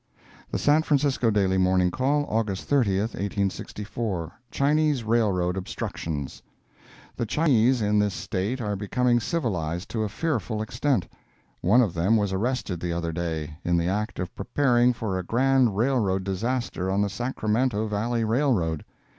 The San Francisco Daily Morning Call, August 30, 1864 CHINESE RAILROAD OBSTRUCTIONS The Chinese in this State are becoming civilized to a fearful extent. One of them was arrested the other day, in the act of preparing for a grand railroad disaster on the Sacramento Valley Railroad.